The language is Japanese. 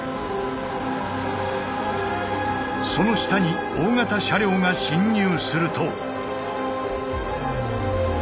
その下に大型車両が進入すると。